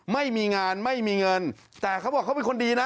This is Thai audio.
ไม่มีงานไม่มีเงินแต่เขาบอกเขาเป็นคนดีนะ